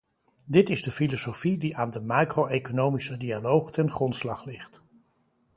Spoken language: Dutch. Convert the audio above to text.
Dit is de filosofie die aan de macro-economische dialoog ten grondslag ligt.